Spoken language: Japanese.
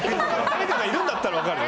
誰かがいるんだったら分かるよ。